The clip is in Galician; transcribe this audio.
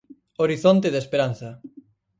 Horizonte de esperanza.